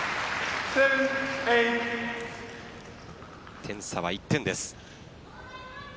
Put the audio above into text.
点差は１点です。